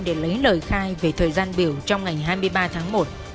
để lấy lời khai về thời gian biểu trong ngày hai mươi ba tháng một